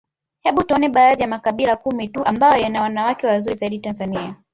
Hebu tuone baadhi ya makabila kumi tuu ambayo yana wanawake wazuri zaidi Tanzania